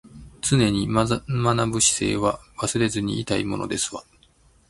常に学ぶ姿勢は忘れずにいたいものですわ